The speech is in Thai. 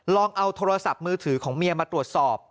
ลองเอาโทรศัพท์มือถือของเมียมาตรวจสอบ